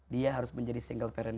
dia harus menjadi single parent